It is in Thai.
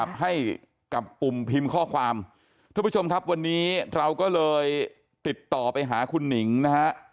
ให้กับปุ่มพิมพ์ข้อความทุกผู้ชมครับวันนี้เราก็เลยติดต่อไปหาคุณหนิงนะฮะ